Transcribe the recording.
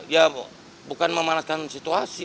ya bukan memanaskan situasi